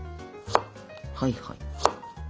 はいはい。